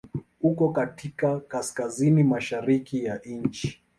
Uko katika Kaskazini mashariki ya nchi.